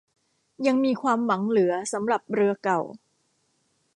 ยังมีความหวังเหลือสำหรับเรือเก่า